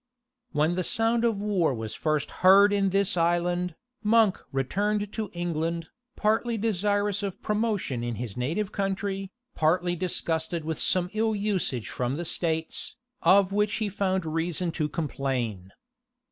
When the sound of war was first heard in this island, Monk returned to England, partly desirous of promotion in his native country, partly disgusted with some ill usage from the states, of which he found reason to complain.